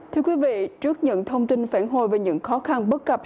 thưa quý vị trước những thông tin phản hồi về những khó khăn bất cập